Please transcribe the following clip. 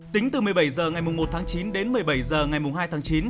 tính từ một mươi bảy h ngày một tháng chín đến một mươi bảy h ngày hai tháng chín